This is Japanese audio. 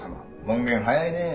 門限早いねえ。